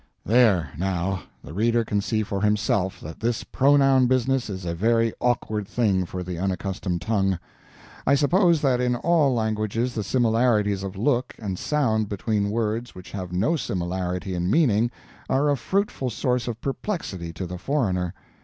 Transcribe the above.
There, now, the reader can see for himself that this pronoun business is a very awkward thing for the unaccustomed tongue. I suppose that in all languages the similarities of look and sound between words which have no similarity in meaning are a fruitful source of perplexity to the foreigner.